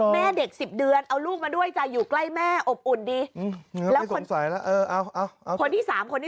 แม่เด็ก๑๐เดือนเอาลูกมาด้วยจะอยู่ใกล้แม่อบอุ่นดิ